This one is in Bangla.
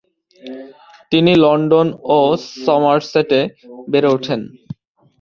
তিনি লন্ডন ও সমারসেটে বেড়ে ওঠেন।